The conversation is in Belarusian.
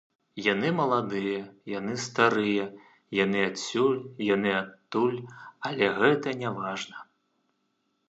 Яны маладыя, яны старыя, яны адсюль, яны адтуль, але гэта няважна.